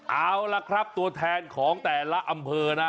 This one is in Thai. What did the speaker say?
เอาล่ะครับตัวแทนของแต่ละอำเภอนะ